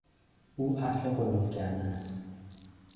او اهل غلو کردن است.